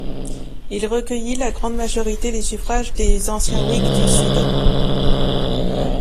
Il recueillit la grande majorité des suffrages du anciens Whigs du Sud.